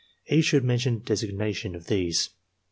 (E. should mention designation of these.)